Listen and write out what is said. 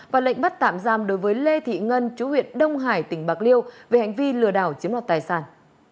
và lệnh bắt tạm giam đối với lê thị ngân chú huyện đông hải tỉnh bạc liêu về hành vi lừa đảo chiếm đoạt tài sản